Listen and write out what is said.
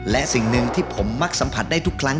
และสิ่งหนึ่งที่ผมมักสัมผัสได้ทุกครั้ง